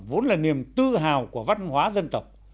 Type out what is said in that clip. vốn là niềm tự hào của văn hóa dân tộc